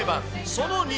その２。